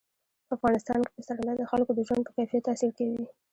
په افغانستان کې پسرلی د خلکو د ژوند په کیفیت تاثیر کوي.